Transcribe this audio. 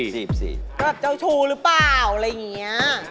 เจ้าชู้หรือเปล่าอะไรอย่างนี้